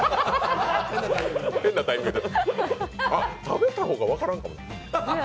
食べた方が分からんかも。